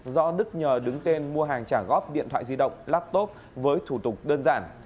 do đức nhờ đứng tên mua hàng trả góp điện thoại di động laptop với thủ tục đơn giản